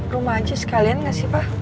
rumah aja sekalian gak sih pak